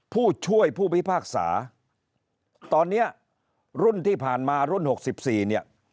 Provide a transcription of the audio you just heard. ผู้ช่วยผู้พิพากษาตอนเนี้ยรุ่นที่ผ่านมารุ่น๖๔เนี่ย